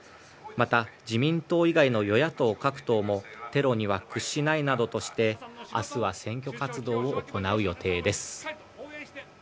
また自民党以外の与野党各党もテロには屈しないなどとして明日は選挙活動を行う予定です。